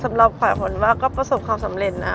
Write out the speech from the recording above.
สำหรับขวัญว่าก็ประสบความสำเร็จนะ